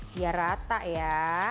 biar rata ya